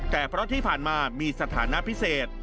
แต่เพราะที่ผ่านมามีสถานะพิเศษ